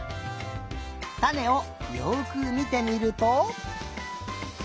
たねをよくみてみると。